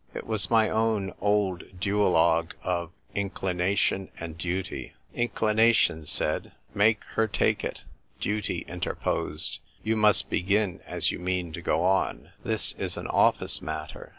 It was my own old duologue of Inclination and Duty, Inclination said, " Make her take it "; Duty interposed, " You must begin as you mean to go on. This is an office matter.